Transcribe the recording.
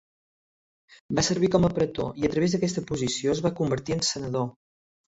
Va servir com a pretor i, a través d'aquesta posició, es va convertir en senador.